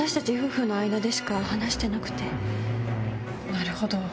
なるほど。